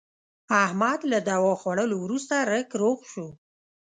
احمد له دوا خوړلو ورسته رک روغ شو.